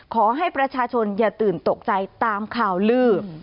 ขอให้ประชาชนอย่าตื่นตกใจตามข่าวลือ